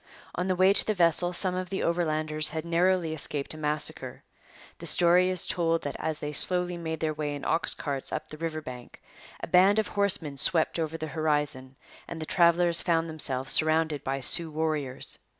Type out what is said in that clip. On the way to the vessel some of the Overlanders had narrowly escaped a massacre. The story is told that as they slowly made their way in ox carts up the river bank, a band of horsemen swept over the horizon, and the travellers found themselves surrounded by Sioux warriors.